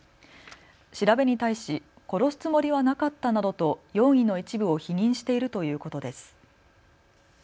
調べに対し殺すつもりはなかったなどと容疑の一部を否認しているということです。